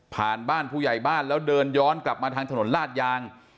ผ่านบ้านผู้ใหญ่บ้านแล้วเดินย้อนกลับมาทางถนนลาดยาง